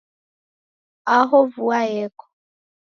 Aho vua yeko